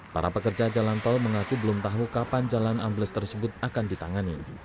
para pekerja jalan tol mengaku belum tahu kapan jalan ambles tersebut akan ditangani